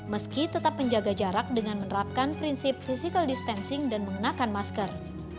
meski tetap menjaga jarak dengan menerapkan prinsip physical distancing dan mengenakan masker